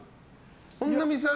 本並さん